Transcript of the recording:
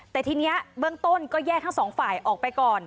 แต่ทีนี้เบื้องต้นก็แยกทั้งสองฝ่ายออกไปก่อน